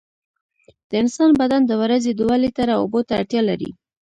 د انسان بدن د ورځې دوه لېټره اوبو ته اړتیا لري.